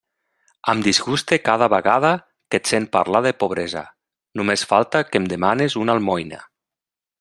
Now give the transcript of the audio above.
Em disguste cada vegada que et sent parlar de pobresa; només falta que em demanes una almoina.